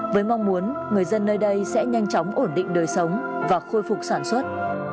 với mong muốn người dân nơi đây sẽ nhanh chóng ổn định đời sống và khôi phục sản xuất